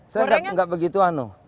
saya enggak begitu anu